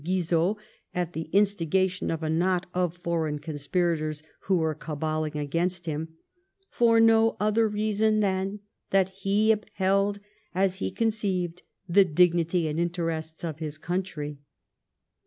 Guizot at the instigation of a knot of foreign con spirators who were *' caballing " against him, *' for no other reason than that he upheld, as he conceived, the dignity and interests of his country."